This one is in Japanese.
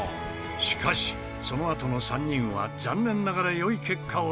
しかしそのあとの３人は残念ながら良い結果を出せず。